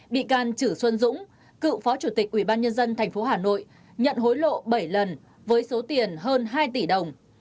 bị can chử xuân dũng cựu phó chủ tịch ubnd tp hà nội nhận hối lộ bảy lần với số tiền hơn hai tỷ đồng